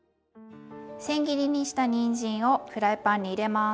せん切りにしたにんじんをフライパンに入れます。